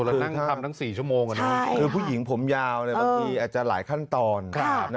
แล้วนั่งทำทั้ง๔ชั่วโมงกันเนี่ยคือผู้หญิงผมยาวเนี่ยเมื่อกี้อาจจะหลายขั้นตอน